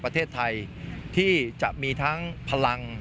ประเทศไทยที่จะมีทั้งพลัง